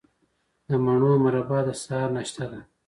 د مڼو مربا د سهار ناشته ده.